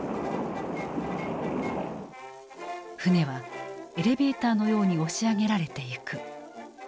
船はエレベーターのように押し上げられていく。